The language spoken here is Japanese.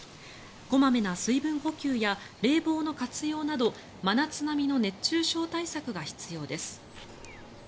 小まめな水分補給や冷房の活用など真夏並みの熱中症対策が必要です。